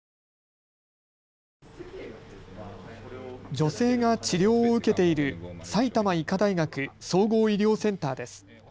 女性が治療を受けている埼玉医科大学総合医療センターです。